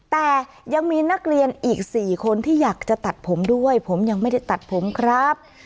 แต่ยังมีนักเรียนอีก๔คนที่อยากจะตัดผมด้วยผมยังไม่ได้ตัดผมครับ